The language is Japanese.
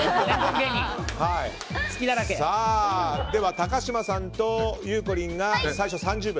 高嶋さんとゆうこりんが最初の３０秒。